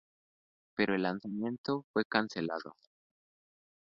Pero el lanzamiento fue cancelado.